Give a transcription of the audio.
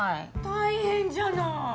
大変じゃない！